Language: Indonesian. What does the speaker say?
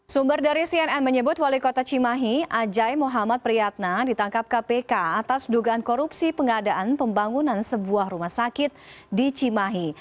sumber dari cnn menyebut wali kota cimahi ajai muhammad priyatna ditangkap kpk atas dugaan korupsi pengadaan pembangunan sebuah rumah sakit di cimahi